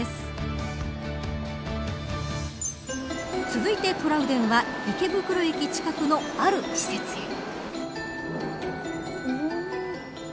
続いて、トラウデンが池袋駅近くの、ある施設へ。